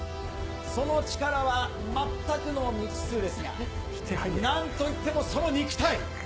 その力は全くの未知数ですが、なんといってもその肉体。